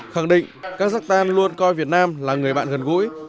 khẳng định kazakhstan luôn coi việt nam là người bạn gần gũi